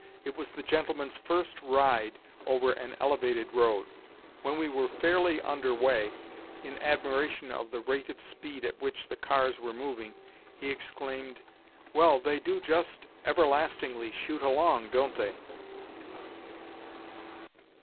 It was the gentleman's first ride over an elevated road. When we were fairly under way, in admiration of the rate of speed at which the cars were moving, he exclaimed, "Well, they do just everlastingly shoot along, don't they!"